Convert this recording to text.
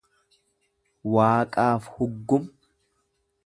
Waaqaaf huggum!